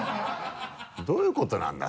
どういうことなんだ？